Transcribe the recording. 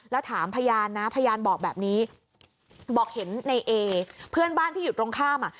แล้วถามพยานนะพยานบอกแบบนี้บอกเห็นในเอเพื่อนบ้านที่อยู่ตรงข้ามอ่ะ